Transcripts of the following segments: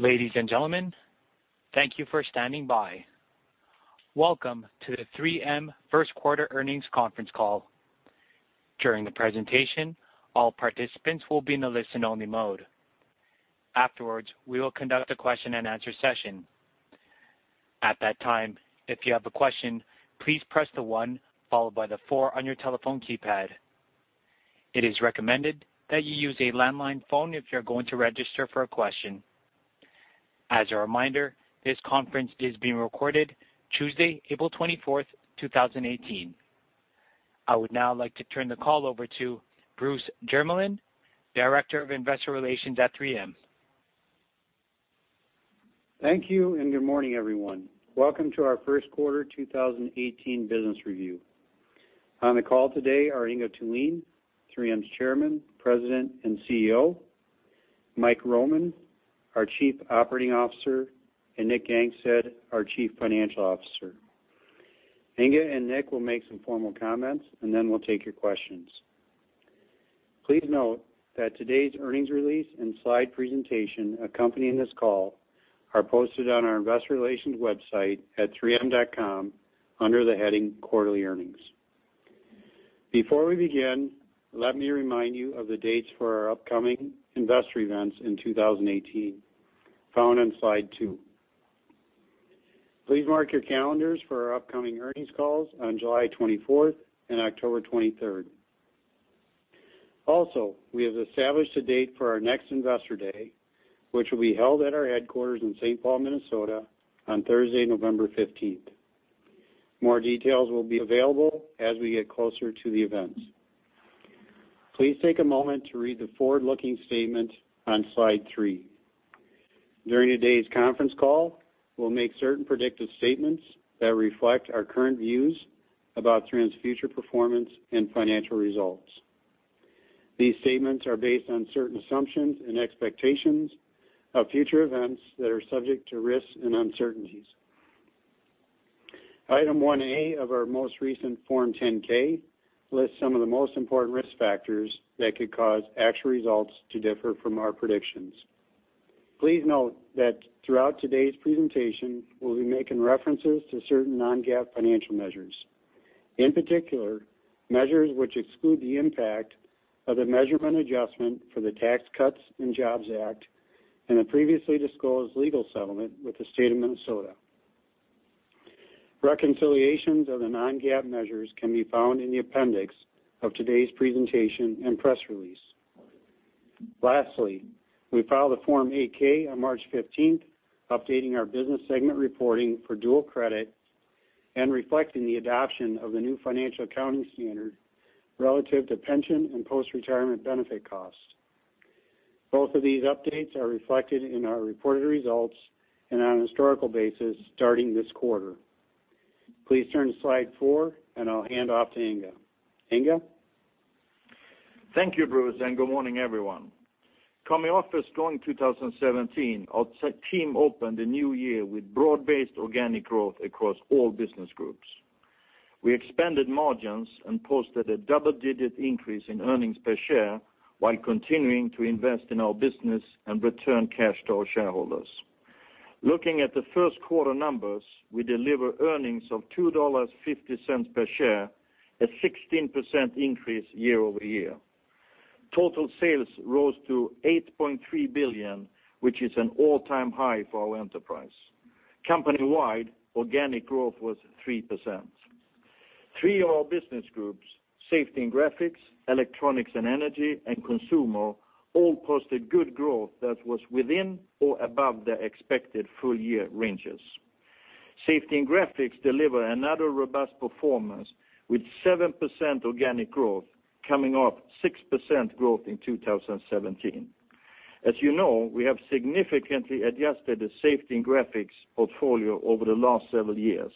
Ladies and gentlemen, thank you for standing by. Welcome to the 3M First Quarter Earnings Conference Call. During the presentation, all participants will be in the listen-only mode. Afterwards, we will conduct a question-and-answer session. At that time, if you have a question, please press the one followed by the four on your telephone keypad. It is recommended that you use a landline phone if you're going to register for a question. As a reminder, this conference is being recorded Tuesday, April 24th, 2018. I would now like to turn the call over to Bruce Jermeland, Director of Investor Relations at 3M. Thank you. Good morning, everyone. Welcome to our first quarter 2018 business review. On the call today are Inge Thulin, 3M's Chairman, President, and CEO, Mike Roman, our Chief Operating Officer, and Nick Gangestad, our Chief Financial Officer. Inge and Nick will make some formal comments, then we'll take your questions. Please note that today's earnings release and slide presentation accompanying this call are posted on our investor relations website at 3m.com under the heading Quarterly Earnings. Before we begin, let me remind you of the dates for our upcoming investor events in 2018, found on slide two. Please mark your calendars for our upcoming earnings calls on July 24th and October 23rd. Also, we have established a date for our next Investor Day, which will be held at our headquarters in St. Paul, Minnesota on Thursday, November 15th. More details will be available as we get closer to the events. Please take a moment to read the forward-looking statement on slide three. During today's conference call, we'll make certain predictive statements that reflect our current views about 3M's future performance and financial results. These statements are based on certain assumptions and expectations of future events that are subject to risks and uncertainties. Item 1A of our most recent Form 10-K lists some of the most important risk factors that could cause actual results to differ from our predictions. Please note that throughout today's presentation, we'll be making references to certain non-GAAP financial measures, in particular, measures which exclude the impact of the measurement adjustment for the Tax Cuts and Jobs Act and the previously disclosed legal settlement with the state of Minnesota. Reconciliations of the non-GAAP measures can be found in the appendix of today's presentation and press release. Lastly, we filed a Form 8-K on March 15th, updating our business segment reporting for dual credit and reflecting the adoption of the new financial accounting standard relative to pension and post-retirement benefit costs. Both of these updates are reflected in our reported results and on an historical basis starting this quarter. Please turn to slide four, and I'll hand off to Inge. Inge? Thank you, Bruce, and good morning, everyone. Coming off a strong 2017, our team opened the new year with broad-based organic growth across all business groups. We expanded margins and posted a double-digit increase in earnings per share while continuing to invest in our business and return cash to our shareholders. Looking at the first quarter numbers, we delivered earnings of $2.50 per share, a 16% increase year-over-year. Total sales rose to $8.3 billion, which is an all-time high for our enterprise. Company-wide, organic growth was 3%. Three of our business groups, Safety and Graphics, Electronics and Energy, and Consumer, all posted good growth that was within or above their expected full-year ranges. Safety and Graphics delivered another robust performance with 7% organic growth coming off 6% growth in 2017. As you know, we have significantly adjusted the Safety and Graphics portfolio over the last several years,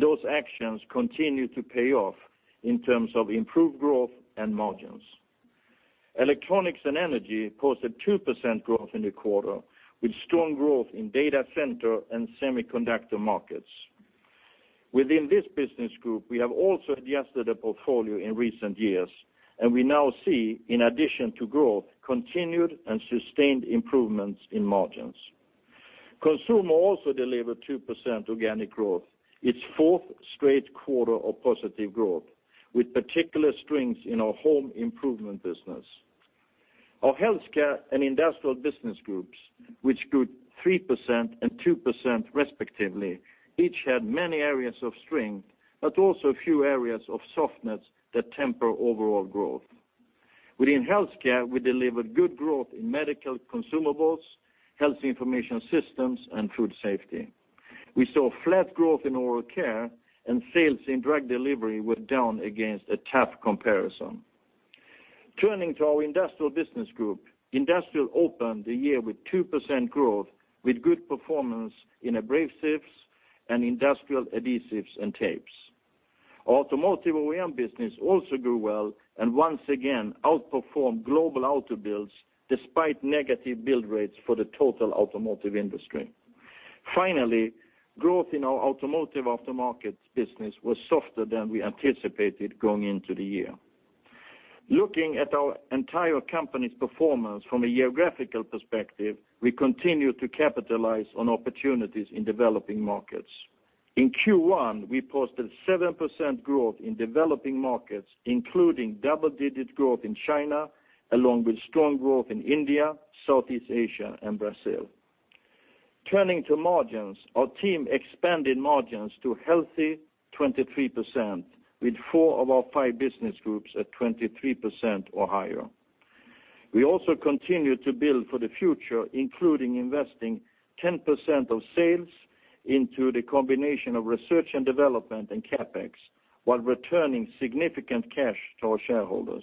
those actions continue to pay off in terms of improved growth and margins. Electronics and Energy posted 2% growth in the quarter, with strong growth in data center and semiconductor markets. Within this business group, we have also adjusted the portfolio in recent years, and we now see, in addition to growth, continued and sustained improvements in margins. Consumer also delivered 2% organic growth, its fourth straight quarter of positive growth, with particular strength in our home improvement business. Our Healthcare and Industrial business groups, which grew 3% and 2% respectively, each had many areas of strength, but also a few areas of softness that temper overall growth. Within Healthcare, we delivered good growth in medical consumables, health information systems, and food safety. We saw flat growth in oral care, sales in drug delivery were down against a tough comparison. Turning to our Industrial Business Group, Industrial opened the year with 2% growth with good performance in abrasives and industrial adhesives and tapes. Automotive OEM business also grew well and once again outperformed global auto builds despite negative build rates for the total automotive industry. Finally, growth in our automotive aftermarket business was softer than we anticipated going into the year. Looking at our entire company's performance from a geographical perspective, we continue to capitalize on opportunities in developing markets. In Q1, we posted 7% growth in developing markets, including double-digit growth in China, along with strong growth in India, Southeast Asia, and Brazil. Turning to margins, our team expanded margins to a healthy 23%, with four of our five business groups at 23% or higher. We also continue to build for the future, including investing 10% of sales into the combination of R&D and CapEx while returning significant cash to our shareholders.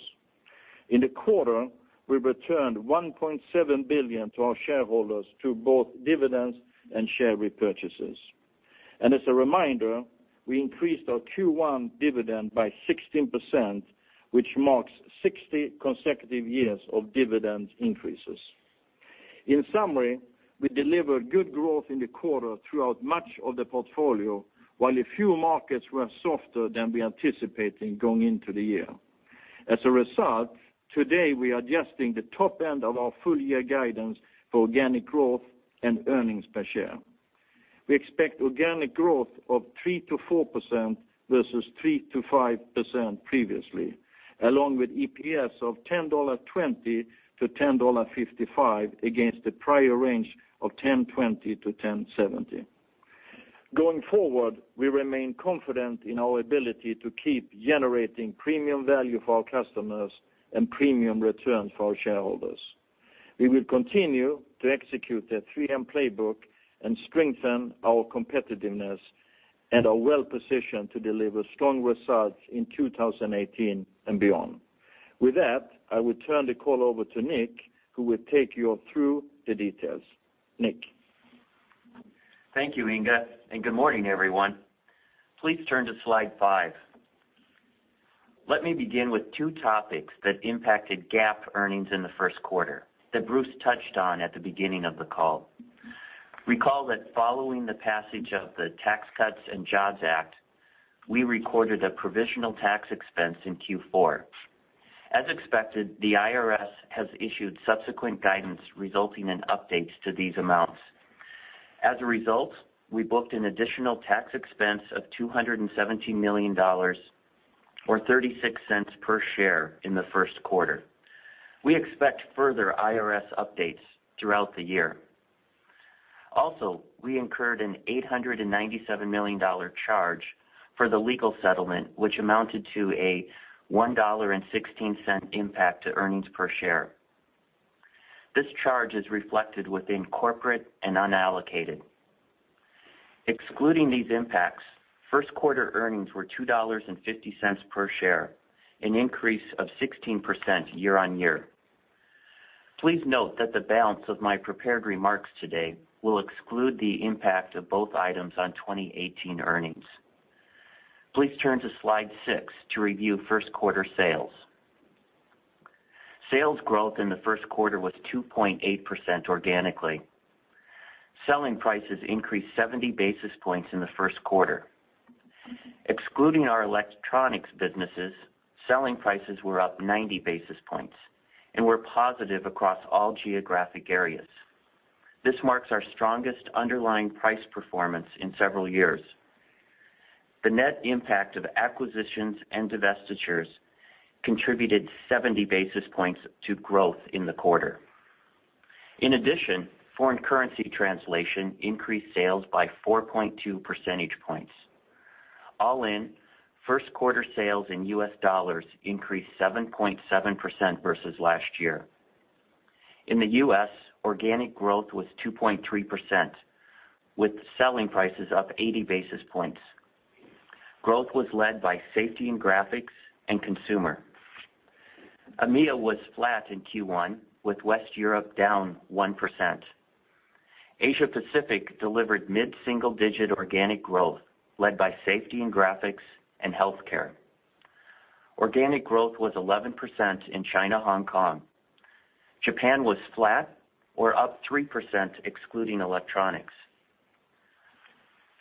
In the quarter, we returned $1.7 billion to our shareholders through both dividends and share repurchases. As a reminder, we increased our Q1 dividend by 16%, which marks 60 consecutive years of dividend increases. In summary, we delivered good growth in the quarter throughout much of the portfolio, while a few markets were softer than we anticipated going into the year. As a result, today we are adjusting the top end of our full-year guidance for organic growth and earnings per share. We expect organic growth of 3%-4% versus 3%-5% previously, along with EPS of $10.20-$10.55 against the prior range of $10.20-$10.70. Going forward, we remain confident in our ability to keep generating premium value for our customers and premium returns for our shareholders. We will continue to execute the 3M playbook and strengthen our competitiveness, and are well-positioned to deliver strong results in 2018 and beyond. With that, I will turn the call over to Nick, who will take you through the details. Nick. Thank you, Inge, good morning, everyone. Please turn to slide five. Let me begin with two topics that impacted GAAP earnings in the first quarter that Bruce touched on at the beginning of the call. Recall that following the passage of the Tax Cuts and Jobs Act, we recorded a provisional tax expense in Q4. As expected, the IRS has issued subsequent guidance resulting in updates to these amounts. As a result, we booked an additional tax expense of $217 million, or $0.36 per share in the first quarter. We expect further IRS updates throughout the year. Also, we incurred an $897 million charge for the legal settlement, which amounted to a $1.16 impact to earnings per share. This charge is reflected within corporate and unallocated. Excluding these impacts, first-quarter earnings were $2.50 per share, an increase of 16% year-on-year. Please note that the balance of my prepared remarks today will exclude the impact of both items on 2018 earnings. Please turn to slide six to review first-quarter sales. Sales growth in the first quarter was 2.8% organically. Selling prices increased 70 basis points in the first quarter. Excluding our electronics businesses, selling prices were up 90 basis points and were positive across all geographic areas. This marks our strongest underlying price performance in several years. The net impact of acquisitions and divestitures contributed 70 basis points to growth in the quarter. In addition, foreign currency translation increased sales by 4.2 percentage points. All in, first-quarter sales in U.S. dollars increased 7.7% versus last year. In the U.S., organic growth was 2.3%, with selling prices up 80 basis points. Growth was led by Safety and Graphics and Consumer. EMEA was flat in Q1, with West Europe down 1%. Asia Pacific delivered mid-single-digit organic growth, led by Safety and Graphics and Healthcare. Organic growth was 11% in China, Hong Kong. Japan was flat or up 3% excluding electronics.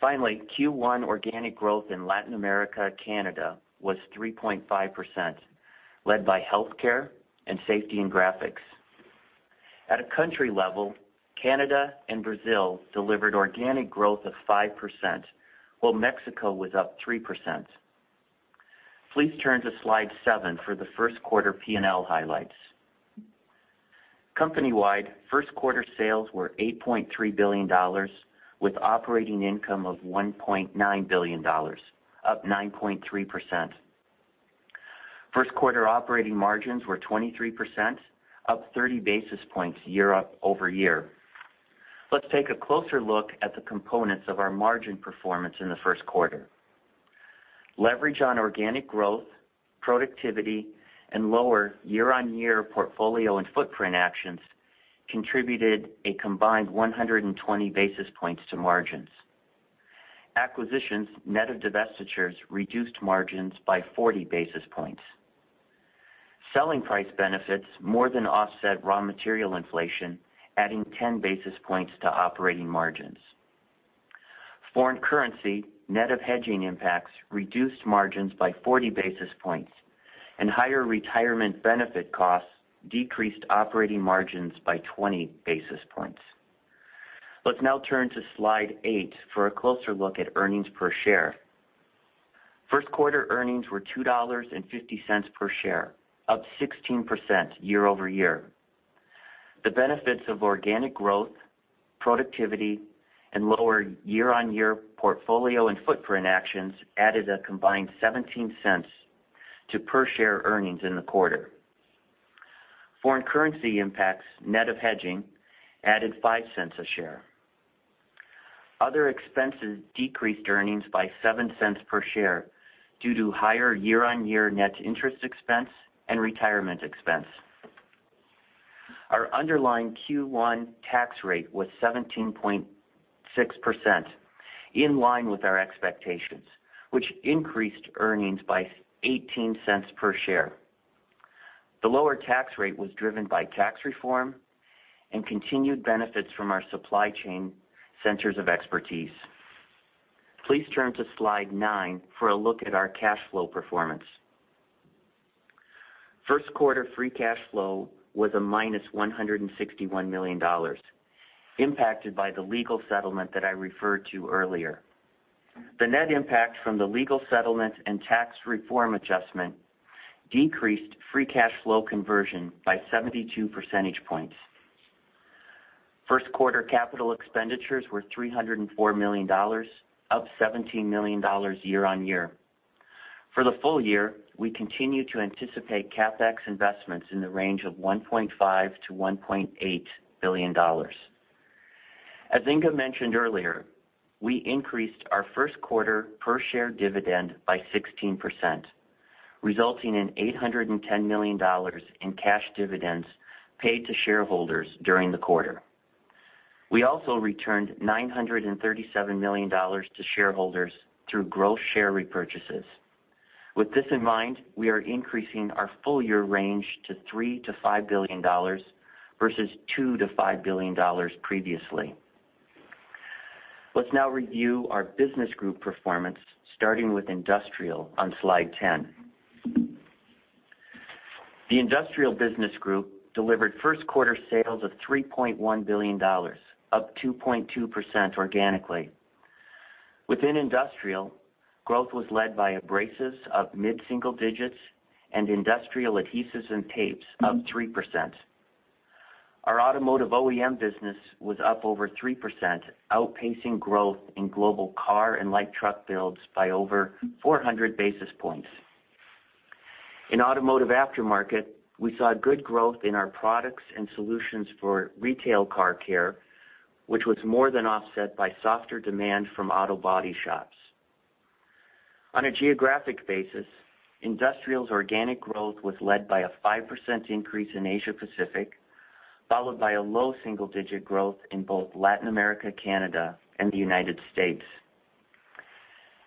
Finally, Q1 organic growth in Latin America, Canada was 3.5%, led by Healthcare and Safety and Graphics. At a country level, Canada and Brazil delivered organic growth of 5%, while Mexico was up 3%. Please turn to slide seven for the first-quarter P&L highlights. Company-wide, first-quarter sales were $8.3 billion, with operating income of $1.9 billion, up 9.3%. First-quarter operating margins were 23%, up 30 basis points year-over-year. Let's take a closer look at the components of our margin performance in the first quarter. Leverage on organic growth, productivity, and lower year-on-year portfolio and footprint actions contributed a combined 120 basis points to margins. Acquisitions net of divestitures reduced margins by 40 basis points. Selling price benefits more than offset raw material inflation, adding 10 basis points to operating margins. Foreign currency, net of hedging impacts, reduced margins by 40 basis points. Higher retirement benefit costs decreased operating margins by 20 basis points. Let's now turn to Slide 8 for a closer look at earnings per share. First quarter earnings were $2.50 per share, up 16% year-over-year. The benefits of organic growth, productivity, and lower year-on-year portfolio and footprint actions added a combined $0.17 to per share earnings in the quarter. Foreign currency impacts, net of hedging, added $0.05 a share. Other expenses decreased earnings by $0.07 per share due to higher year-on-year net interest expense and retirement expense. Our underlying Q1 tax rate was 17.6%, in line with our expectations, which increased earnings by $0.18 per share. The lower tax rate was driven by tax reform and continued benefits from our supply chain centers of expertise. Please turn to Slide nine for a look at our cash flow performance. First quarter free cash flow was a -$161 million, impacted by the legal settlement that I referred to earlier. The net impact from the legal settlement and tax reform adjustment decreased free cash flow conversion by 72 percentage points. First quarter capital expenditures were $304 million, up $17 million year-on-year. For the full year, we continue to anticipate CapEx investments in the range of $1.5 billion-$1.8 billion. As Inge mentioned earlier, we increased our first quarter per share dividend by 16%, resulting in $810 million in cash dividends paid to shareholders during the quarter. We also returned $937 million to shareholders through gross share repurchases. With this in mind, we are increasing our full-year range to $3 billion-$5 billion versus $2 billion-$5 billion previously. Let's now review our business group performance, starting with Industrial on Slide 10. The Industrial business group delivered first quarter sales of $3.1 billion, up 2.2% organically. Within Industrial, growth was led by abrasives up mid-single digits and industrial adhesives and tapes up 3%. Our automotive OEM business was up over 3%, outpacing growth in global car and light truck builds by over 400 basis points. In automotive aftermarket, we saw good growth in our products and solutions for retail car care, which was more than offset by softer demand from auto body shops. On a geographic basis, Industrial's organic growth was led by a 5% increase in Asia Pacific, followed by a low single-digit growth in both Latin America, Canada, and the U.S.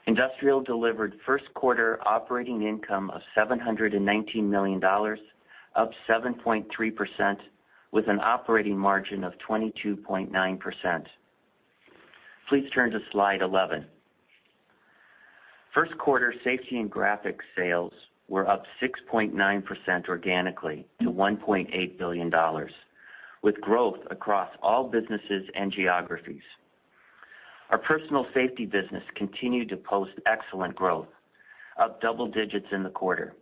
Industrial delivered first quarter operating income of $719 million, up 7.3%, with an operating margin of 22.9%. Please turn to Slide 11. First quarter Safety and Graphics sales were up 6.9% organically to $1.8 billion, with growth across all businesses and geographies. Our personal safety business continued to post excellent growth, up double digits in the quarter.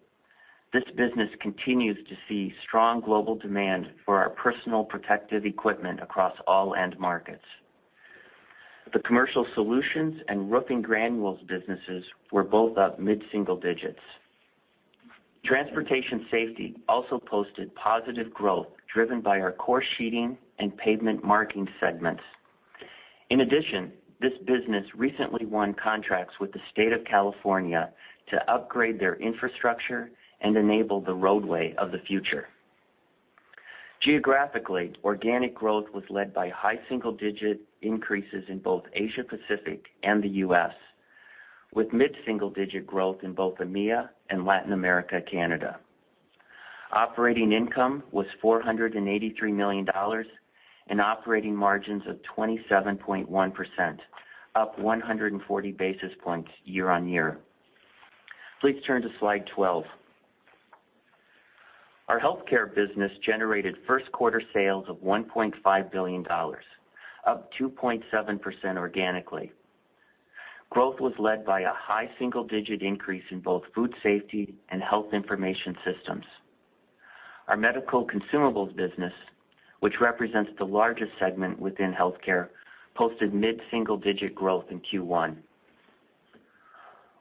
This business continues to see strong global demand for our personal protective equipment across all end markets. The commercial solutions and roofing granules businesses were both up mid-single digits. Transportation Safety also posted positive growth, driven by our core sheeting and pavement marking segments. In addition, this business recently won contracts with the State of California to upgrade their infrastructure and enable the roadway of the future. Geographically, organic growth was led by high single-digit increases in both Asia Pacific and the U.S., with mid-single digit growth in both EMEA and Latin America, Canada. Operating income was $483 million and operating margins of 27.1%, up 140 basis points year-over-year. Please turn to Slide 12. Our Healthcare business generated first quarter sales of $1.5 billion, up 2.7% organically. Growth was led by a high single-digit increase in both food safety and health information systems. Our medical consumables business, which represents the largest segment within Healthcare, posted mid-single digit growth in Q1.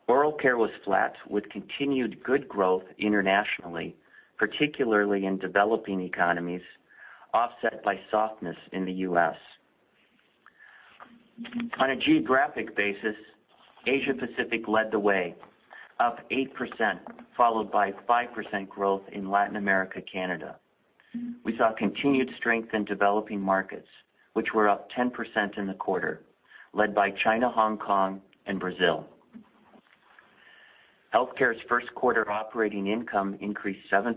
Oral care was flat with continued good growth internationally, particularly in developing economies, offset by softness in the U.S. On a geographic basis, Asia Pacific led the way, up 8%, followed by 5% growth in Latin America, Canada. We saw continued strength in developing markets, which were up 10% in the quarter, led by China, Hong Kong, and Brazil. Healthcare's first quarter operating income increased 7%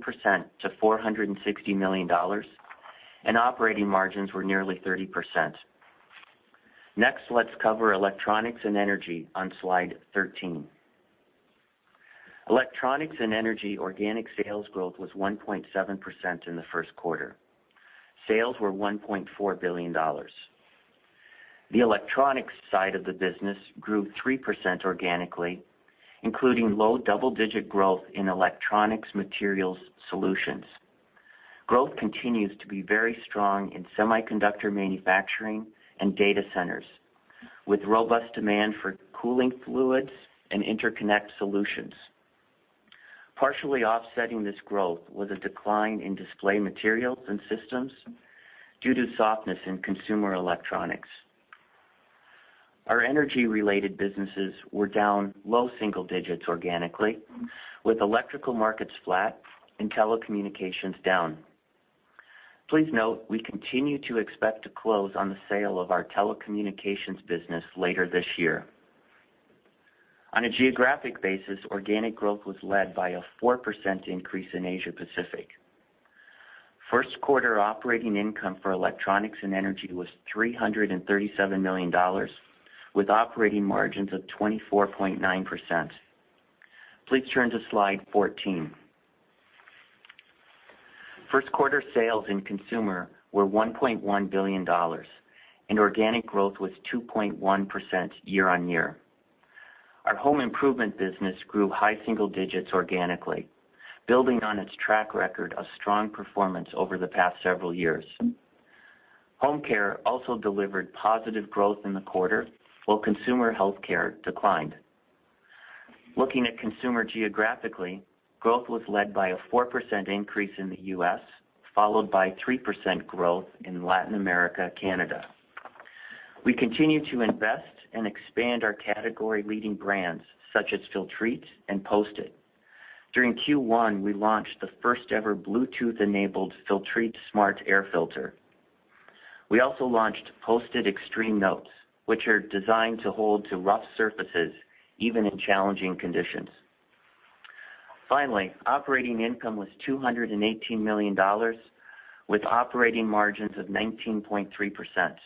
to $460 million, and operating margins were nearly 30%. Let's cover Electronics and Energy on Slide 13. Electronics and Energy organic sales growth was 1.7% in the first quarter. Sales were $1.4 billion. The electronics side of the business grew 3% organically, including low double-digit growth in electronics materials solutions. Growth continues to be very strong in semiconductor manufacturing and data centers, with robust demand for cooling fluids and interconnect solutions. Partially offsetting this growth was a decline in display materials and systems due to softness in consumer electronics. Our energy-related businesses were down low single digits organically, with electrical markets flat and telecommunications down. Please note, we continue to expect to close on the sale of our telecommunications business later this year. On a geographic basis, organic growth was led by a 4% increase in Asia Pacific. First quarter operating income for Electronics and Energy was $337 million with operating margins of 24.9%. Please turn to Slide 14. First quarter sales in Consumer were $1.1 billion, and organic growth was 2.1% year-over-year. Our home improvement business grew high single digits organically, building on its track record of strong performance over the past several years. Home care also delivered positive growth in the quarter, while consumer healthcare declined. Looking at Consumer geographically, growth was led by a 4% increase in the U.S., followed by 3% growth in Latin America/Canada. We continue to invest and expand our category-leading brands, such as Filtrete and Post-it. During Q1, we launched the first-ever Bluetooth-enabled Filtrete smart air filter. We also launched Post-it Extreme Notes, which are designed to hold to rough surfaces, even in challenging conditions. Operating income was $218 million with operating margins of 19.3%.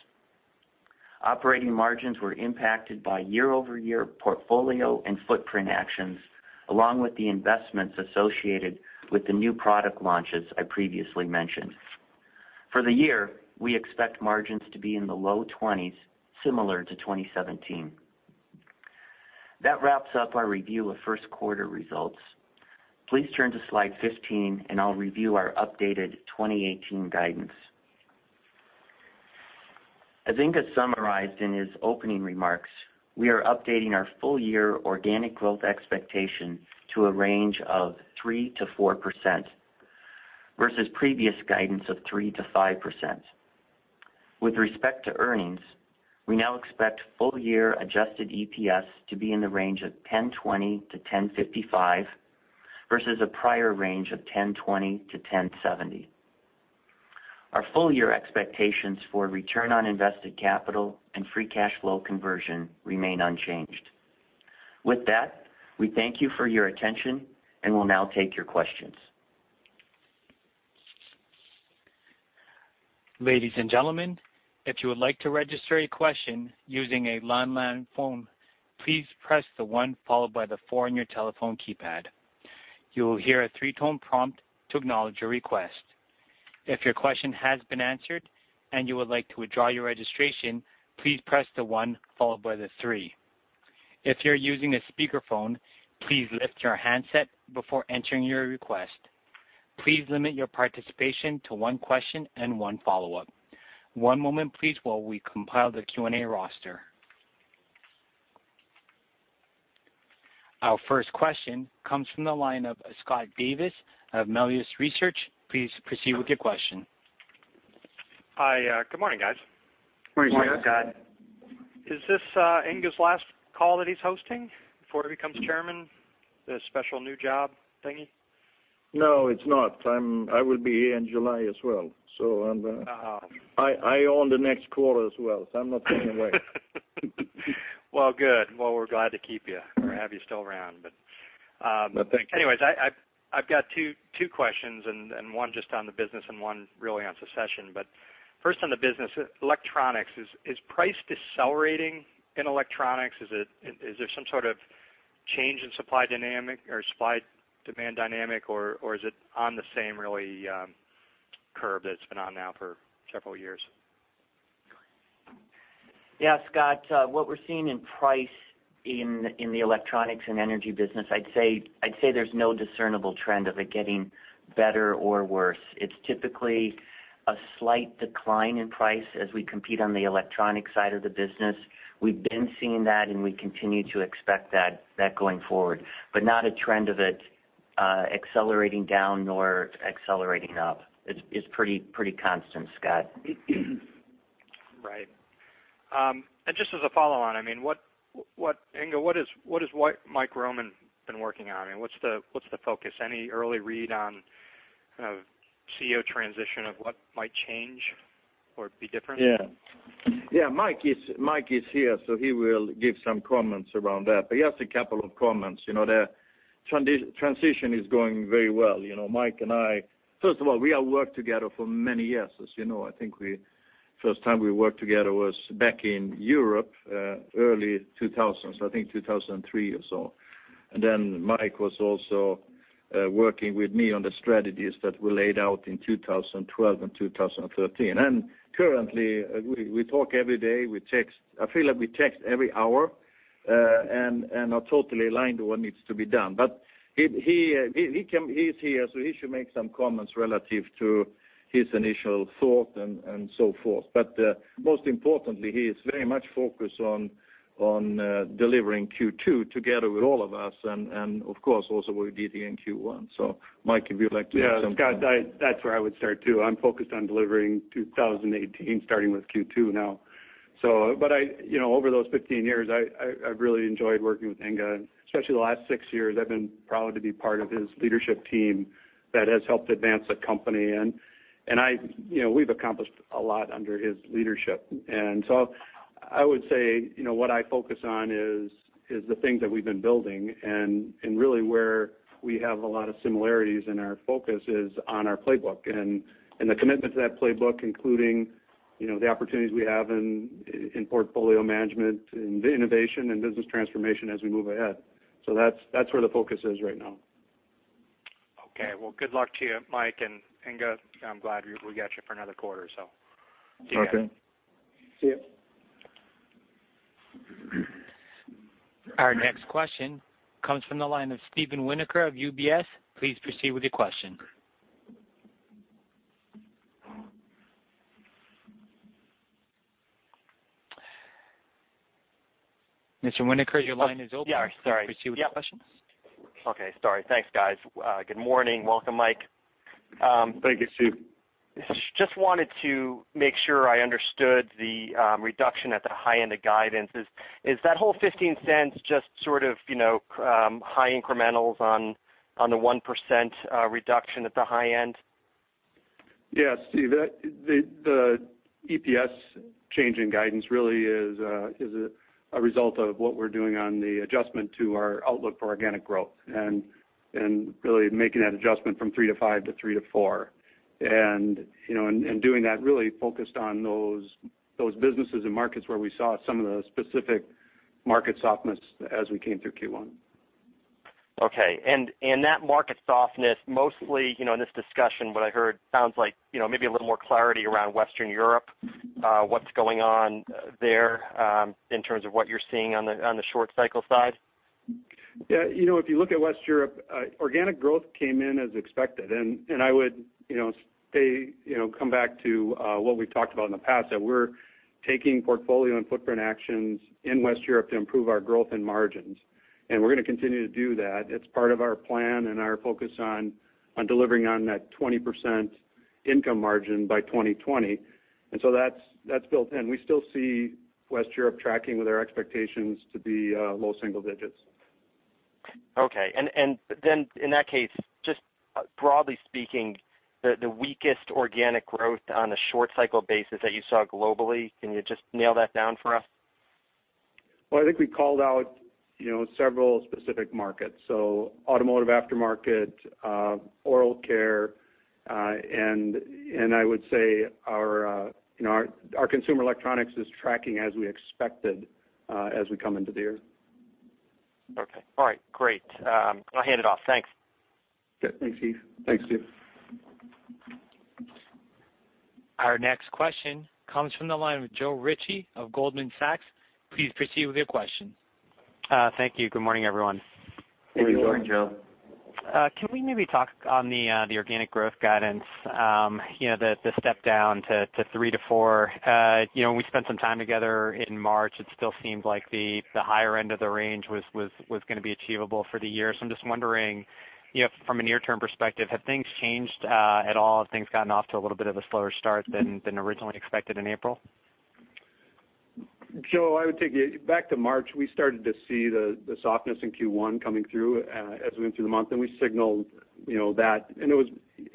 Operating margins were impacted by year-over-year portfolio and footprint actions, along with the investments associated with the new product launches I previously mentioned. For the year, we expect margins to be in the low 20s, similar to 2017. That wraps up our review of first quarter results. Please turn to Slide 15 and I'll review our updated 2018 guidance. As Inge summarized in his opening remarks, we are updating our full year organic growth expectation to a range of 3% to 4%, versus previous guidance of 3% to 5%. With respect to earnings, we now expect full year adjusted EPS to be in the range of $10.20-$10.55 versus a prior range of $10.20-$10.70. Our full year expectations for return on invested capital and free cash flow conversion remain unchanged. With that, we thank you for your attention and will now take your questions. Ladies and gentlemen, if you would like to register a question using a landline phone, please press the one followed by the four on your telephone keypad. You will hear a three-tone prompt to acknowledge your request. If your question has been answered and you would like to withdraw your registration, please press the one followed by the three. If you're using a speakerphone, please lift your handset before entering your request. Please limit your participation to one question and one follow-up. One moment, please, while we compile the Q&A roster. Our first question comes from the line of Scott Davis of Melius Research. Please proceed with your question. Hi. Good morning, guys. Morning, Scott. Morning, Scott. Is this Inge's last call that he's hosting before he becomes Chairman? The special new job thingy? No, it's not. I will be here in July as well. Oh. I own the next quarter as well. I'm not going away. Good. We're glad to keep you or have you still around. Thank you. I've got two questions, and one just on the business and one really on succession. First on the business, Electronics. Is price decelerating in Electronics? Is there some sort of change in supply dynamic or supply demand dynamic or is it on the same really curve that it's been on now for several years? Scott, what we're seeing in price in the Electronics and Energy business, I'd say there's no discernible trend of it getting better or worse. It's typically a slight decline in price as we compete on the electronic side of the business. We've been seeing that, and we continue to expect that going forward, but not a trend of it accelerating down nor accelerating up. It's pretty constant, Scott. Right. Just as a follow-on, Inge, what has Mike Roman been working on? What's the focus? Any early read on CEO transition of what might change or be different? Yeah, Mike is here, so he will give some comments around that. He has a couple of comments. The transition is going very well. Mike and I, first of all, we have worked together for many years, as you know. I think first time we worked together was back in Europe, early 2000s. I think 2003 or so. Then Mike was also working with me on the strategies that we laid out in 2012 and 2013. Currently, we talk every day. I feel like we text every hour, and are totally aligned to what needs to be done. He's here, so he should make some comments relative to his initial thought and so forth. Most importantly, he is very much focused on delivering Q2 together with all of us and, of course, also with DT in Q1. Mike, if you'd like to make some comments. Yeah. Scott, that's where I would start, too. I'm focused on delivering 2018, starting with Q2 now. Over those 15 years, I've really enjoyed working with Inge, and especially the last six years, I've been proud to be part of his leadership team that has helped advance the company. We've accomplished a lot under his leadership. I would say, what I focus on is the things that we've been building, and really where we have a lot of similarities in our focus is on our playbook and the commitment to that playbook, including the opportunities we have in portfolio management, in innovation and business transformation as we move ahead. That's where the focus is right now. Okay. Well, good luck to you, Mike and Inge. I'm glad we got you for another quarter, see you. Okay. See you. Our next question comes from the line of Steven Winoker of UBS. Please proceed with your question. Mr. Winoker, your line is open. Yeah, sorry. Proceed with your question. Okay. Sorry. Thanks, guys. Good morning. Welcome, Mike. Thank you, Steve. Just wanted to make sure I understood the reduction at the high end of guidance. Is that whole $0.15 just sort of high incrementals on the 1% reduction at the high end? Yeah, Steve, the EPS change in guidance really is a result of what we're doing on the adjustment to our outlook for organic growth and really making that adjustment from 3% to 5% to 3% to 4%. Doing that really focused on those businesses and markets where we saw some of the specific market softness as we came through Q1. Okay. That market softness mostly, in this discussion, what I heard sounds like maybe a little more clarity around Western Europe. What's going on there, in terms of what you're seeing on the short cycle side? Yeah. If you look at West Europe, organic growth came in as expected, I would come back to what we've talked about in the past, that we're taking portfolio and footprint actions in West Europe to improve our growth and margins, we're going to continue to do that. It's part of our plan and our focus on delivering on that 20% income margin by 2020. That's built in. We still see West Europe tracking with our expectations to be low single-digits. Okay. In that case, just broadly speaking, the weakest organic growth on a short cycle basis that you saw globally, can you just nail that down for us? I think we called out several specific markets. Automotive aftermarket, oral care, and I would say our consumer electronics is tracking as we expected, as we come into the year. Okay. All right, great. I will hand it off. Thanks. Okay. Thanks, Steve. Our next question comes from the line of Joe Ritchie of Goldman Sachs. Please proceed with your question. Thank you. Good morning, everyone. Good morning, Joe. Can we maybe talk on the organic growth guidance, the step down to 3%-4%? When we spent some time together in March, it still seemed like the higher end of the range was going to be achievable for the year. I'm just wondering, from a near-term perspective, have things changed at all? Have things gotten off to a little bit of a slower start than originally expected in April? Joe, I would take you back to March. We started to see the softness in Q1 coming through as we went through the month, we signaled that.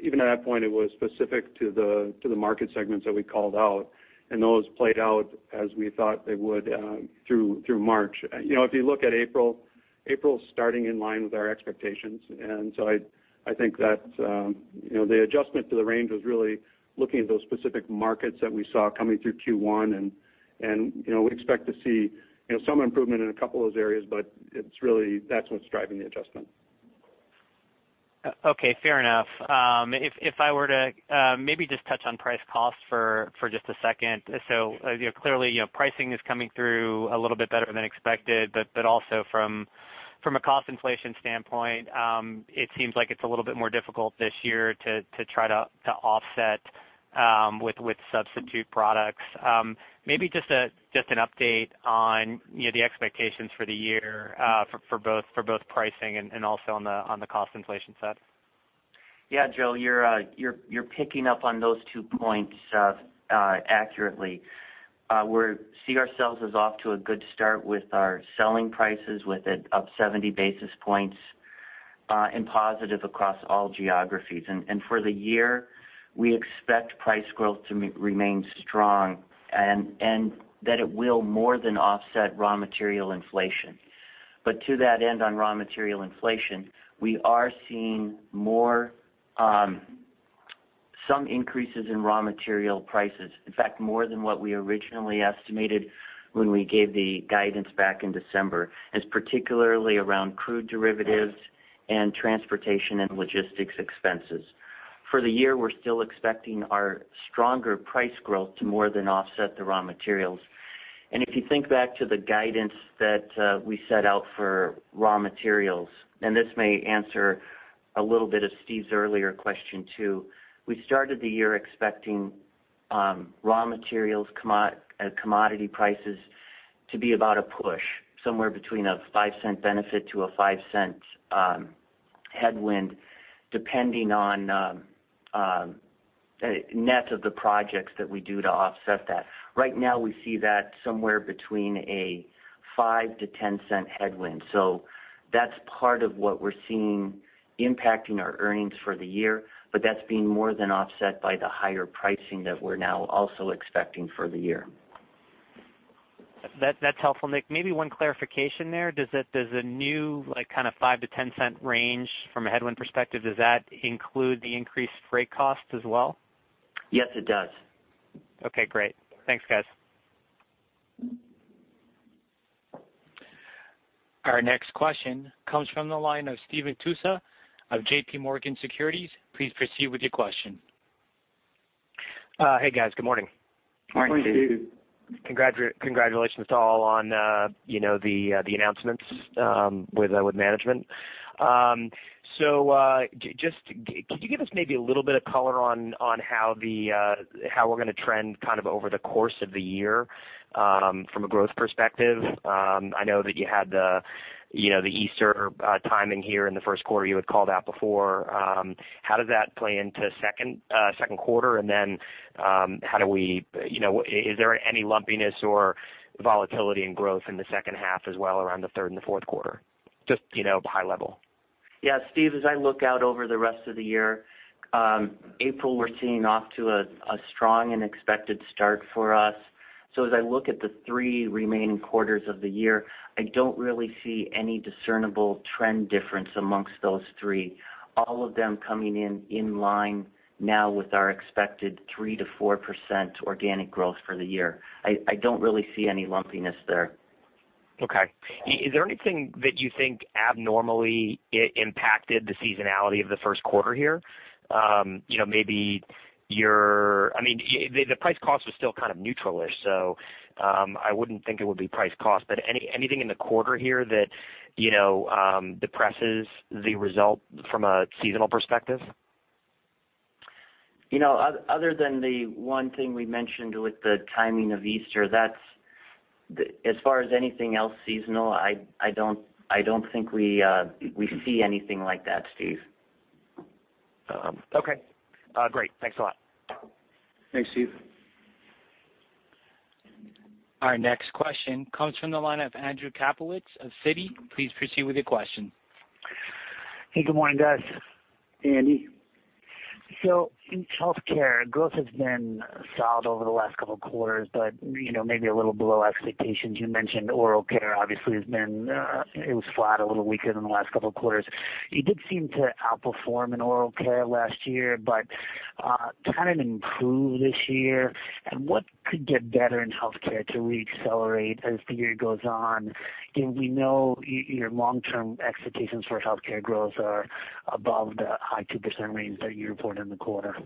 Even at that point, it was specific to the market segments that we called out, those played out as we thought they would through March. If you look at April's starting in line with our expectations, I think that the adjustment to the range was really looking at those specific markets that we saw coming through Q1 we expect to see some improvement in a couple of those areas, that's what's driving the adjustment. Okay. Fair enough. If I were to maybe just touch on price cost for just a second. Clearly, pricing is coming through a little bit better than expected, but also from a cost inflation standpoint, it seems like it's a little bit more difficult this year to try to offset with substitute products. Maybe just an update on the expectations for the year, for both pricing and also on the cost inflation side. Yeah, Joe, you're picking up on those two points accurately. We see ourselves as off to a good start with our selling prices with it up 70 basis points. Positive across all geographies. For the year, we expect price growth to remain strong and that it will more than offset raw material inflation. To that end on raw material inflation, we are seeing some increases in raw material prices. In fact, more than what we originally estimated when we gave the guidance back in December. It's particularly around crude derivatives and transportation and logistics expenses. For the year, we're still expecting our stronger price growth to more than offset the raw materials. If you think back to the guidance that we set out for raw materials, and this may answer a little bit of Steve's earlier question too. We started the year expecting raw materials commodity prices to be about a push, somewhere between a $0.05 benefit to a $0.05 headwind, depending on net of the projects that we do to offset that. Right now we see that somewhere between a $0.05-$0.10 headwind. That's part of what we're seeing impacting our earnings for the year, but that's being more than offset by the higher pricing that we're now also expecting for the year. That's helpful, Nick. Maybe one clarification there. Does the new kind of $0.05-$0.10 range from a headwind perspective, does that include the increased freight cost as well? Yes, it does. Okay, great. Thanks, guys. Our next question comes from the line of Stephen Tusa of J.P. Morgan Securities. Please proceed with your question. Hey guys, good morning. Morning, Steve. Congratulations to all on the announcements with management. Just, could you give us maybe a little bit of color on how we're going to trend kind of over the course of the year from a growth perspective? I know that you had the Easter timing here in the first quarter, you had called out before. How does that play into second quarter and then is there any lumpiness or volatility in growth in the second half as well around the third and the fourth quarter? Just high level. Yeah, Steve, as I look out over the rest of the year, April we're seeing off to a strong and expected start for us. As I look at the three remaining quarters of the year, I don't really see any discernible trend difference amongst those three. All of them coming in inline now with our expected 3%-4% organic growth for the year. I don't really see any lumpiness there. Okay. Is there anything that you think abnormally impacted the seasonality of the first quarter here? The price cost was still kind of neutral-ish, so I wouldn't think it would be price cost, but anything in the quarter here that depresses the result from a seasonal perspective? Other than the one thing we mentioned with the timing of Easter, as far as anything else seasonal, I don't think we see anything like that, Steve. Okay, great. Thanks a lot. Thanks, Steve. Our next question comes from the line of Andrew Kaplowitz of Citi. Please proceed with your question. Hey, good morning, guys. Andy. In Healthcare, growth has been solid over the last couple of quarters, but maybe a little below expectations. You mentioned oral care obviously it was flat, a little weaker than the last couple of quarters. You did seem to outperform in oral care last year, but kind of improve this year. What could get better in Healthcare to reaccelerate as the year goes on? We know your long-term expectations for Healthcare growth are above the high 2% range that you reported in the quarter.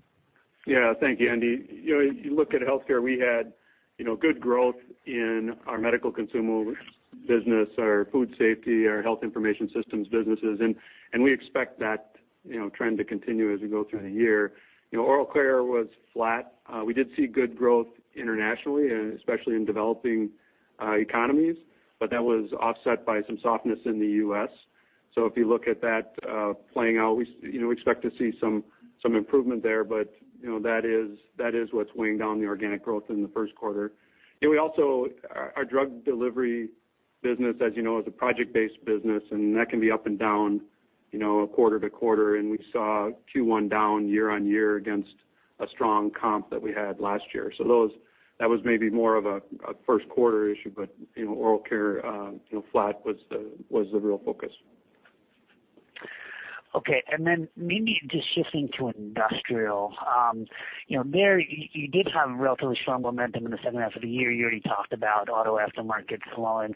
Thank you, Andy. If you look at Healthcare, we had good growth in our medical consumable business, our food safety, our health information systems businesses, and we expect that trend to continue as we go through the year. Oral care was flat. We did see good growth internationally and especially in developing economies, but that was offset by some softness in the U.S. If you look at that playing out, we expect to see some improvement there, but that is what's weighing down the organic growth in the first quarter. Our drug delivery business, as you know, is a project-based business, and that can be up and down a quarter to quarter, and we saw Q1 down year-on-year against a strong comp that we had last year. That was maybe more of a first quarter issue, but oral care flat was the real focus. Okay, then maybe just shifting to Industrial. There you did have relatively strong momentum in the second half of the year. You already talked about auto aftermarket slowing.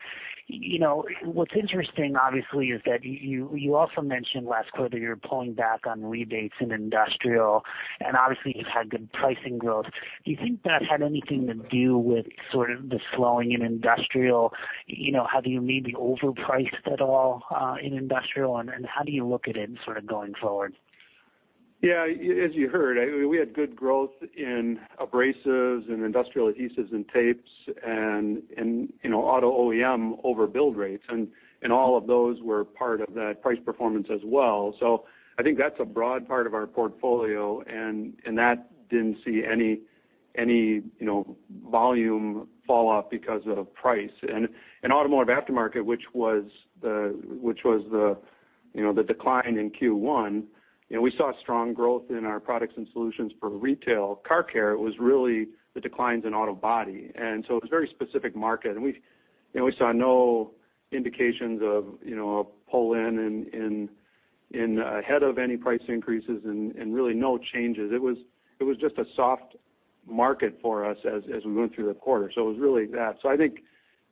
What's interesting obviously is that you also mentioned last quarter you're pulling back on rebates in Industrial, and obviously you've had good pricing growth. Do you think that had anything to do with sort of the slowing in Industrial? Have you maybe overpriced at all in Industrial, and how do you look at it sort of going forward? Yeah. As you heard, we had good growth in abrasives and Industrial adhesives and tapes and in auto OEM over build rates, and all of those were part of that price performance as well. I think that's a broad part of our portfolio, and that didn't see any volume fall off because of price. Automotive aftermarket, which was the The decline in Q1, we saw strong growth in our products and solutions for retail. Car care was really the declines in auto body. It was a very specific market, and we saw no indications of a pull-in ahead of any price increases and really no changes. It was just a soft market for us as we went through the quarter. It was really that. I think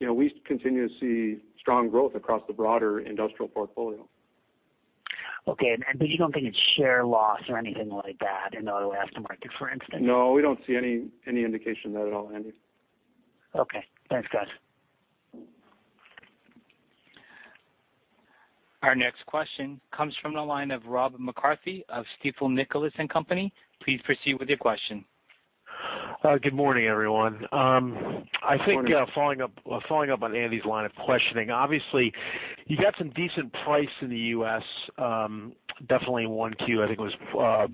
we continue to see strong growth across the broader Industrial portfolio. Okay. You don't think it's share loss or anything like that in the auto aftermarket, for instance? No. We don't see any indication of that at all, Andy. Okay. Thanks, guys. Our next question comes from the line of Robert McCarthy of Stifel, Nicolaus & Company. Please proceed with your question. Good morning, everyone. Good morning. Following up on Andy's line of questioning, obviously you got some decent price in the U.S. definitely in 1Q. I think it was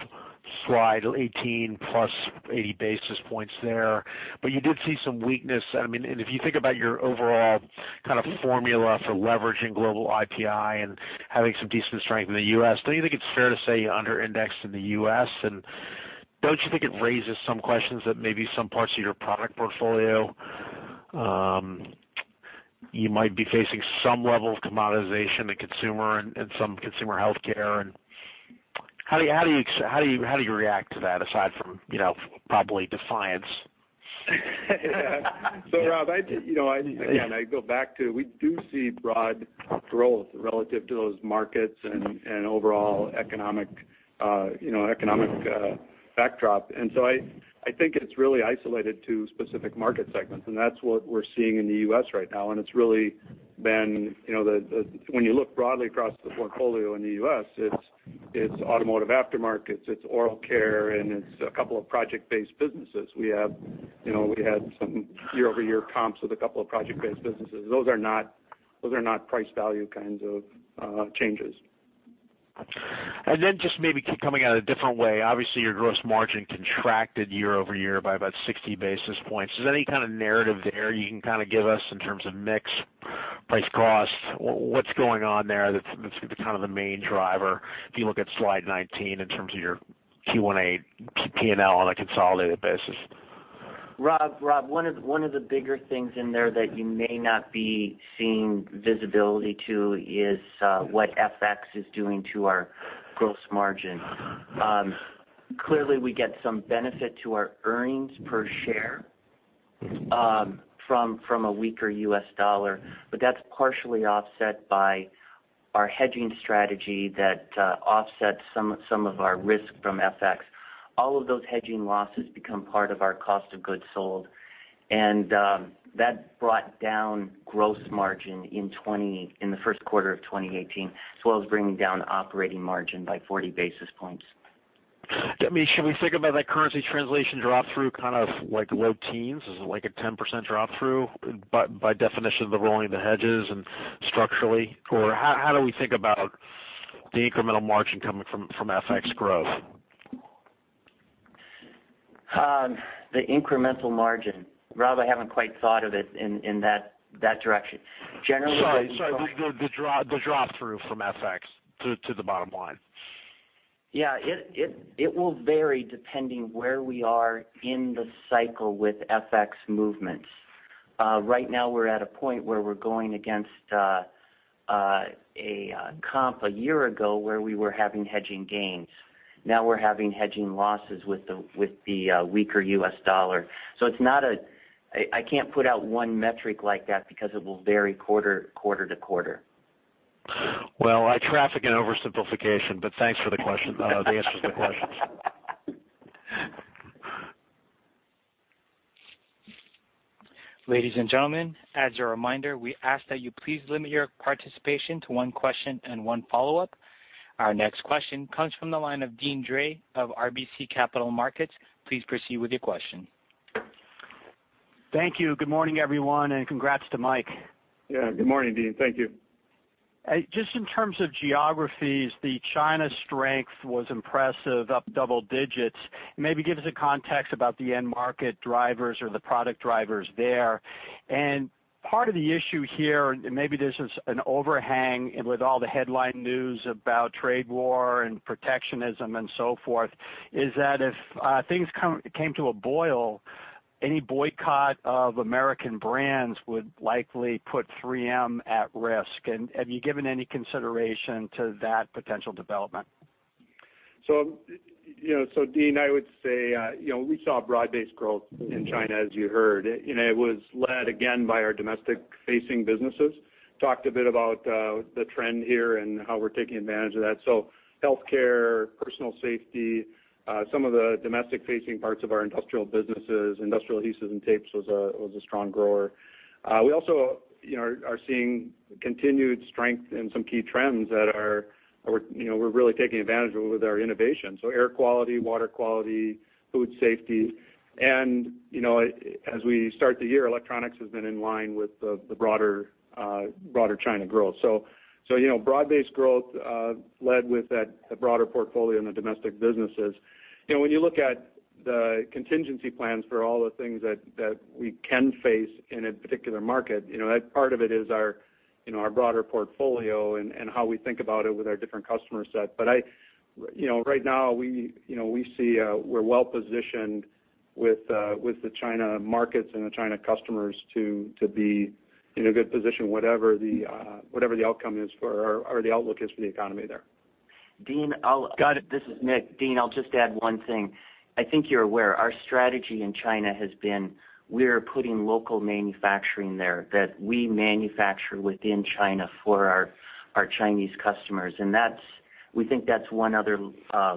slide 18, +80 basis points there. You did see some weakness. If you think about your overall kind of formula for leveraging global IPI and having some decent strength in the U.S., do you think it's fair to say you under-indexed in the U.S., don't you think it raises some questions that maybe some parts of your product portfolio you might be facing some level of commoditization to Consumer and some Consumer Healthcare? How do you react to that aside from probably defiance? Rob, again, I go back to we do see broad growth relative to those markets and overall economic backdrop. I think it's really isolated to specific market segments, and that's what we're seeing in the U.S. right now. It's really been when you look broadly across the portfolio in the U.S., it's automotive aftermarkets, it's oral care, and it's a couple of project-based businesses we have. We had some year-over-year comps with a couple of project-based businesses. Those are not price value kinds of changes. Got you. Just maybe coming at it a different way. Obviously, your gross margin contracted year-over-year by about 60 basis points. Is there any kind of narrative there you can kind of give us in terms of mix, price cross? What's going on there that's kind of the main driver if you look at slide 19 in terms of your Q1A P&L on a consolidated basis? Rob, one of the bigger things in there that you may not be seeing visibility to is what FX is doing to our gross margin. Clearly, we get some benefit to our earnings per share from a weaker U.S. dollar. That's partially offset by our hedging strategy that offsets some of our risk from FX. All of those hedging losses become part of our cost of goods sold. That brought down gross margin in the first quarter of 2018, as well as bringing down operating margin by 40 basis points. Should we think about that currency translation drop-through kind of like low teens? Is it like a 10% drop-through by definition of the rolling the hedges and structurally, or how do we think about the incremental margin coming from FX growth? The incremental margin. Rob, I haven't quite thought of it in that direction. Sorry. The drop-through from FX to the bottom line. Yeah. It will vary depending where we are in the cycle with FX movements. Right now we're at a point where we're going against a comp a year ago where we were having hedging gains. Now we're having hedging losses with the weaker U.S. dollar. I can't put out one metric like that because it will vary quarter to quarter. Well, I traffic in oversimplification, but thanks for the answers to the questions. Ladies and gentlemen, as a reminder, we ask that you please limit your participation to one question and one follow-up. Our next question comes from the line of Deane Dray of RBC Capital Markets. Please proceed with your question. Thank you. Good morning, everyone, and congrats to Mike. Yeah. Good morning, Deane. Thank you. Just in terms of geographies, the China strength was impressive, up double digits. Maybe give us a context about the end market drivers or the product drivers there. Part of the issue here, and maybe this is an overhang with all the headline news about trade war and protectionism and so forth, is that if things came to a boil, any boycott of American brands would likely put 3M at risk. Have you given any consideration to that potential development? Deane, I would say we saw broad-based growth in China, as you heard. It was led again by our domestic-facing businesses. Talked a bit about the trend here and how we're taking advantage of that. Healthcare, personal safety, some of the domestic-facing parts of our Industrial businesses, industrial adhesives and tapes was a strong grower. We also are seeing continued strength in some key trends that we're really taking advantage of with our innovation. Air quality, water quality, food safety. As we start the year, Electronics has been in line with the broader China growth. Broad-based growth led with that broader portfolio in the domestic businesses. When you look at The contingency plans for all the things that we can face in a particular market, part of it is our broader portfolio and how we think about it with our different customer set. Right now we're well-positioned with the China markets and the China customers to be in a good position, whatever the outlook is for the economy there. Deane, Got it. This is Nick. Deane, I'll just add one thing. I think you're aware our strategy in China has been, we're putting local manufacturing there that we manufacture within China for our Chinese customers. We think that's one other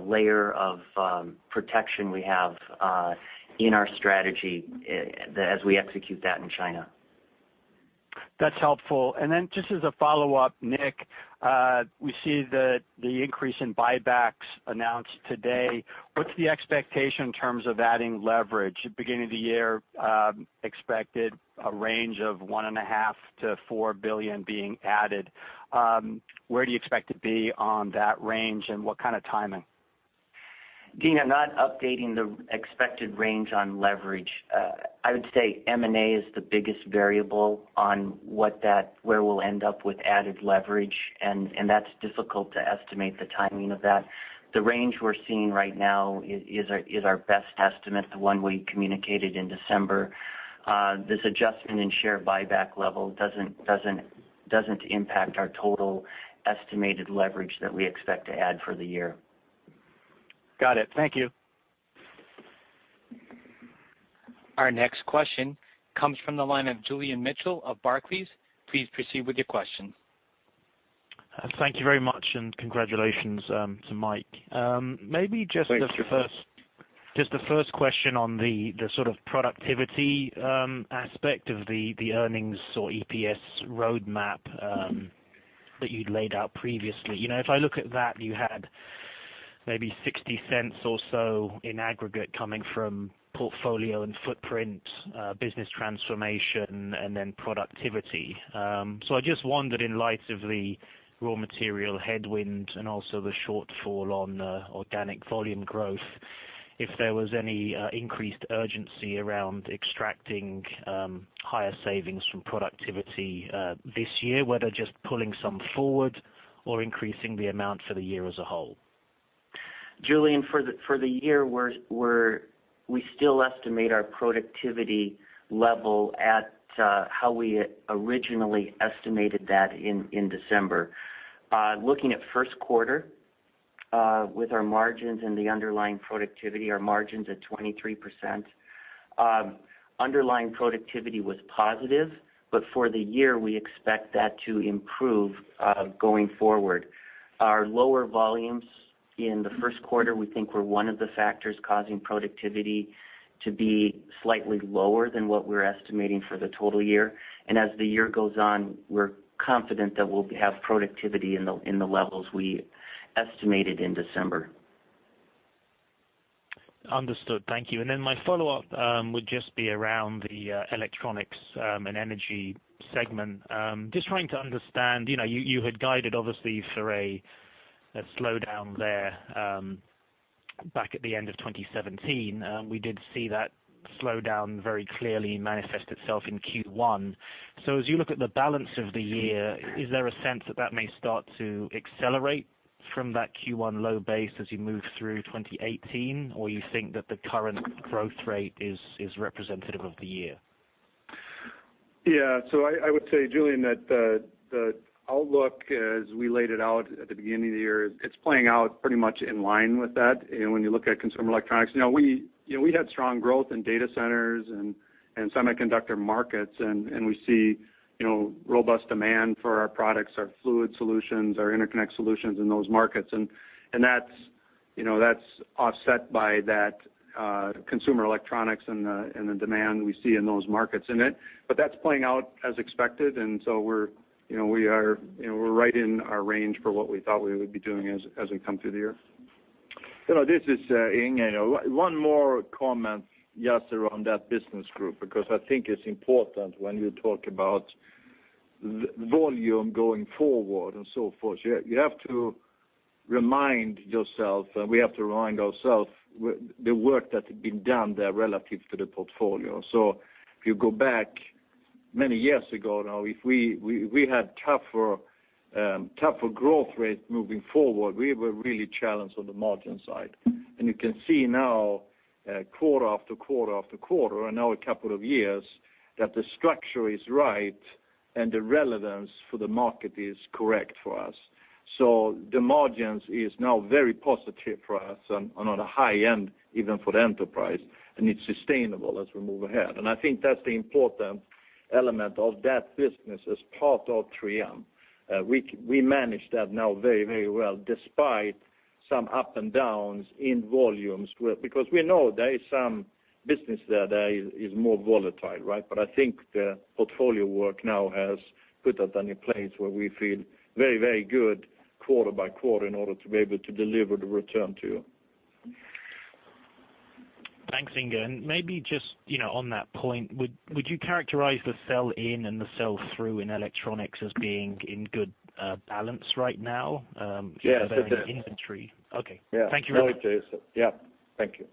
layer of protection we have in our strategy as we execute that in China. That's helpful. Just as a follow-up, Nick, we see the increase in buybacks announced today. What's the expectation in terms of adding leverage at beginning of the year, expected a range of $1.5 billion-$4 billion being added? Where do you expect to be on that range, and what kind of timing? Deane, I'm not updating the expected range on leverage. I would say M&A is the biggest variable on where we'll end up with added leverage. That's difficult to estimate the timing of that. The range we're seeing right now is our best estimate, the one we communicated in December. This adjustment in share buyback level doesn't impact our total estimated leverage that we expect to add for the year. Got it. Thank you. Our next question comes from the line of Julian Mitchell of Barclays. Please proceed with your question. Thank you very much. Congratulations to Mike. Thank you. Just the first question on the sort of productivity aspect of the earnings or EPS roadmap that you'd laid out previously. If I look at that, you had maybe $0.60 or so in aggregate coming from portfolio and footprint, business transformation, and then productivity. I just wondered, in light of the raw material headwind and also the shortfall on organic volume growth, if there was any increased urgency around extracting higher savings from productivity this year, whether just pulling some forward or increasing the amount for the year as a whole. Julian, for the year, we still estimate our productivity level at how we originally estimated that in December. Looking at first quarter, with our margins and the underlying productivity, our margins at 23%, underlying productivity was positive. For the year, we expect that to improve going forward. Our lower volumes in the first quarter we think were one of the factors causing productivity to be slightly lower than what we're estimating for the total year. As the year goes on, we're confident that we'll have productivity in the levels we estimated in December. Understood. Thank you. My follow-up would just be around the Electronics and Energy segment. Just trying to understand, you had guided obviously for a slowdown there back at the end of 2017. We did see that slowdown very clearly manifest itself in Q1. As you look at the balance of the year, is there a sense that that may start to accelerate from that Q1 low base as you move through 2018, or you think that the current growth rate is representative of the year? Yeah. I would say, Julian, that the outlook as we laid it out at the beginning of the year, it's playing out pretty much in line with that. When you look at consumer electronics, we had strong growth in data centers and semiconductor markets, and we see robust demand for our products, our fluid solutions, our interconnect solutions in those markets. That's offset by that consumer electronics and the demand we see in those markets. That's playing out as expected, we're right in our range for what we thought we would be doing as we come through the year. This is Inge. One more comment just around that business group, because I think it's important when you talk about volume going forward and so forth. You have to remind yourself, and we have to remind ourselves the work that had been done there relative to the portfolio. If you go back many years ago now, if we had tougher growth rate moving forward, we were really challenged on the margin side. You can see now, quarter after quarter after quarter, and now a couple of years, that the structure is right and the relevance for the market is correct for us. The margins is now very positive for us and on a high end, even for the enterprise, and it's sustainable as we move ahead. I think that's the important element of that business as part of 3M. We manage that now very well despite some ups and downs in volumes, because we know there is some business there that is more volatile. I think the portfolio work now has put us in a place where we feel very good quarter by quarter in order to be able to deliver the return to you. Thanks, Inge. Maybe just on that point, would you characterize the sell in and the sell through in Electronics as being in good balance right now? Yes. If you're varying inventory. Okay. Yeah. Thank you very much. No, it is. Yeah. Thank you.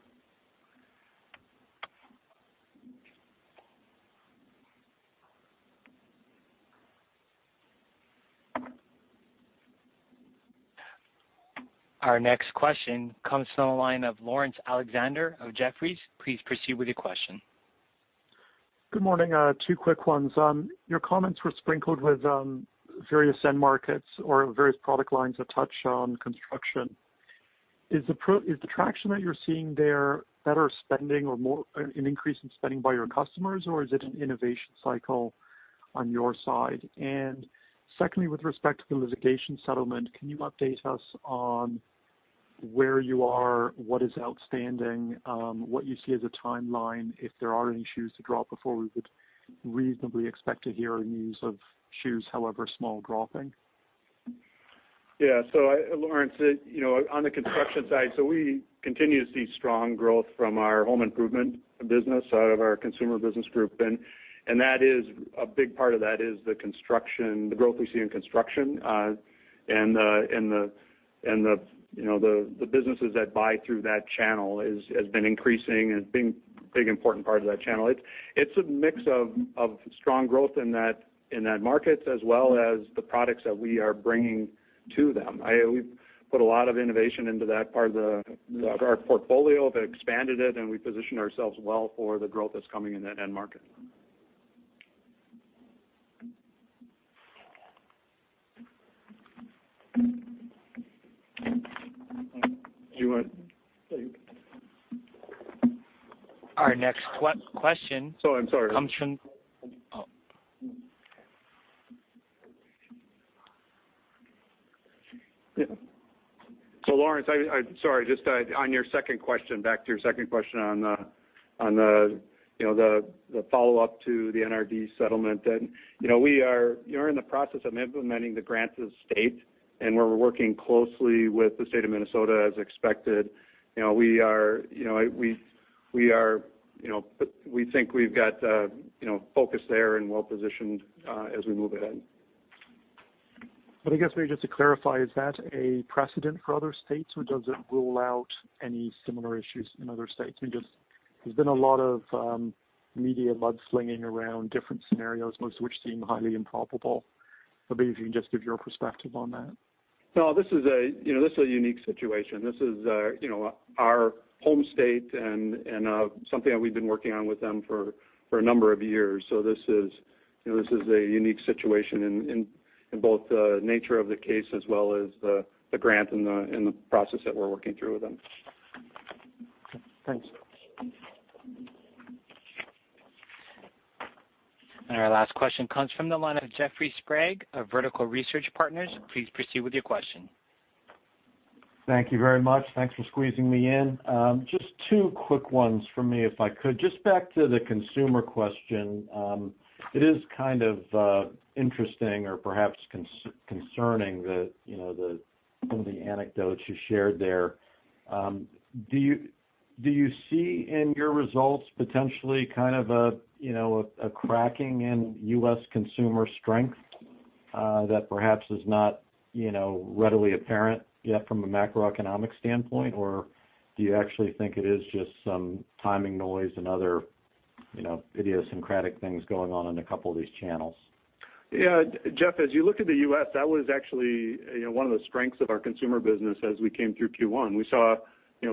Our next question comes from the line of Laurence Alexander of Jefferies. Please proceed with your question. Good morning. Two quick ones. Your comments were sprinkled with various end markets or various product lines that touch on construction. Is the traction that you're seeing there better spending or an increase in spending by your customers, or is it an innovation cycle on your side? Secondly, with respect to the litigation settlement, can you update us on where you are, what is outstanding, what you see as a timeline, if there are any shoes to drop before we would reasonably expect to hear news of shoes, however small, dropping? Yeah. Laurence, on the construction side, we continue to see strong growth from our Home Improvement business out of our Consumer business group, a big part of that is the growth we see in construction. The businesses that buy through that channel has been increasing and been a big important part of that channel. It's a mix of strong growth in that market, as well as the products that we are bringing to them. We've put a lot of innovation into that part of our portfolio. We've expanded it, and we positioned ourselves well for the growth that's coming in that end market. Our next question comes from- I'm sorry. Oh. Laurence, sorry, just on your second question, back to your second question on the follow-up to the NRD settlement. We are in the process of implementing the grant to the state, we're working closely with the state of Minnesota as expected. We think we've got focus there and well-positioned as we move ahead. I guess maybe just to clarify, is that a precedent for other states, or does it rule out any similar issues in other states? There's been a lot of media mudslinging around different scenarios, most of which seem highly improbable. Maybe if you can just give your perspective on that. No, this is a unique situation. This is our home state and something that we've been working on with them for a number of years. This is a unique situation in both the nature of the case as well as the grant and the process that we're working through with them. Thanks. Our last question comes from the line of Jeffrey Sprague of Vertical Research Partners. Please proceed with your question. Thank you very much. Thanks for squeezing me in. Just two quick ones from me, if I could. Just back to the Consumer question. It is kind of interesting or perhaps concerning, some of the anecdotes you shared there. Do you see in your results potentially kind of a cracking in U.S. consumer strength that perhaps is not readily apparent yet from a macroeconomic standpoint, or do you actually think it is just some timing noise and other idiosyncratic things going on in a couple of these channels? Yeah. Jeff, as you look at the U.S., that was actually one of the strengths of our Consumer business as we came through Q1. We saw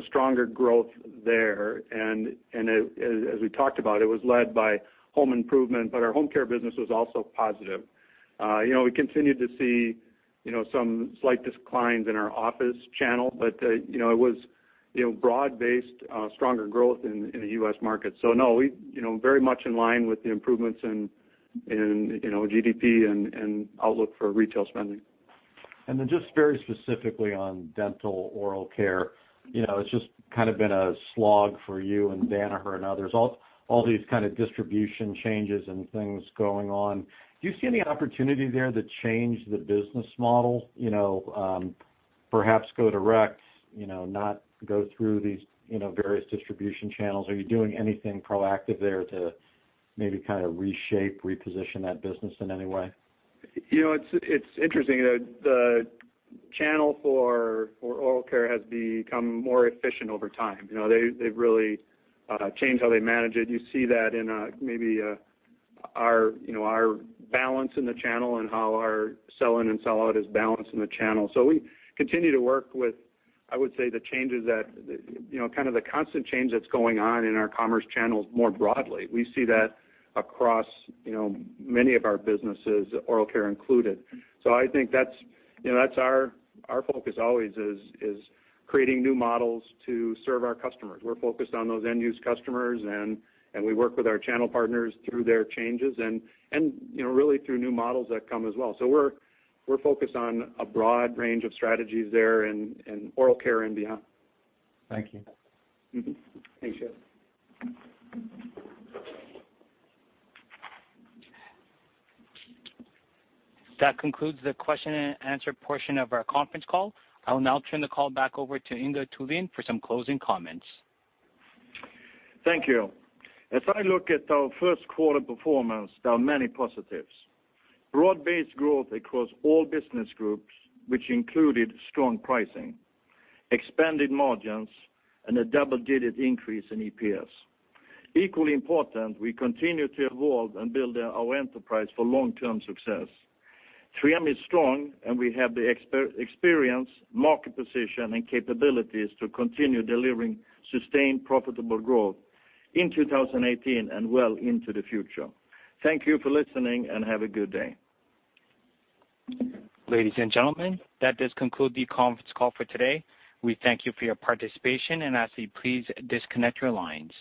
stronger growth there, and as we talked about, it was led by home improvement, but our home care business was also positive. We continued to see some slight declines in our office channel, but it was broad-based, stronger growth in the U.S. market. No, we're very much in line with the improvements in GDP and outlook for retail spending. Just very specifically on dental oral care. It's just kind of been a slog for you and Danaher and others, all these kind of distribution changes and things going on. Do you see any opportunity there to change the business model, perhaps go direct, not go through these various distribution channels? Are you doing anything proactive there to maybe kind of reshape, reposition that business in any way? It's interesting. The channel for oral care has become more efficient over time. They've really changed how they manage it. You see that in maybe our balance in the channel and how our sell-in and sellout is balanced in the channel. We continue to work with, I would say, the changes that kind of the constant change that's going on in our commerce channels more broadly. We see that across many of our businesses, oral care included. I think that's our focus always is creating new models to serve our customers. We're focused on those end-use customers, and we work with our channel partners through their changes and really through new models that come as well. We're focused on a broad range of strategies there in oral care and beyond. Thank you. Thanks, Jeff. That concludes the question and answer portion of our conference call. I will now turn the call back over to Inge Thulin for some closing comments. Thank you. As I look at our first quarter performance, there are many positives. Broad-based growth across all business groups, which included strong pricing, expanded margins, and a double-digit increase in EPS. Equally important, we continue to evolve and build our enterprise for long-term success. 3M is strong, and we have the experience, market position, and capabilities to continue delivering sustained profitable growth in 2018 and well into the future. Thank you for listening, and have a good day. Ladies and gentlemen, that does conclude the conference call for today. We thank you for your participation, and I say please disconnect your lines.